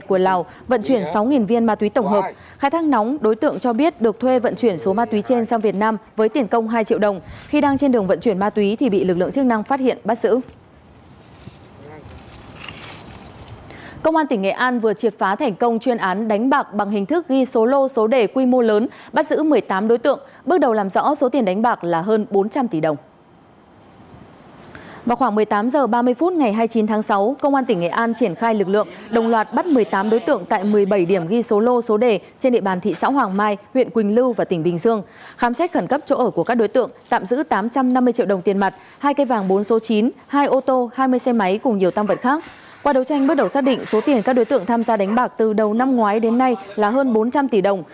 công an tỉnh nghệ an vừa triệt phá thành công chuyên án đánh bạc bằng hình thức ghi số lô số đề quy mô lớn bắt giữ một mươi tám đối tượng bước đầu làm rõ số tiền đánh bạc là hơn bốn trăm linh tỷ đồng